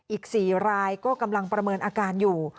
อีก๔รายก็กำลังประเมินอาการอยู่